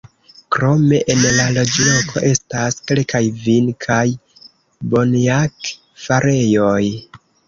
Krome, en la loĝloko estas kelkaj vin- kaj konjak-farejoj.